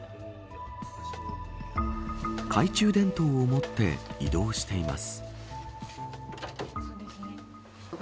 懐中電灯を持って移動しています。